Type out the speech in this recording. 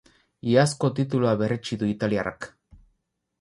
Iazko titulua berretsi du italiarrak.